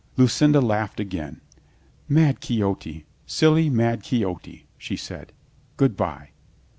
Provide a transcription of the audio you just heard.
Lucinda laughed again. "Mad Quixote. Silly, mad Quixote," she said. "Good by."